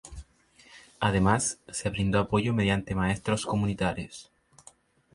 Además, se brindó apoyo mediante maestros comunitarios.